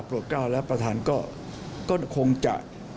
โปรดกล้าแล้วประธานก็คงจะ